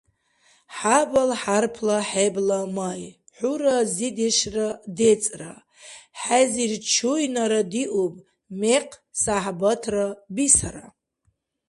Хӏябал хӏярпла хӏебла май Хӏу разидешра децӏра, Хӏезир чуйнара диуб Мекъ сяхӏбатра бисара.